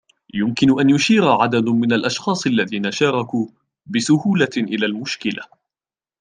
يمكن أن يشير عدد من الأشخاص الذين شاركوا بسهولة إلى المشكلة